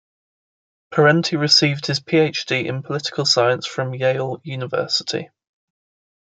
Parenti received his PhD in political science from Yale University.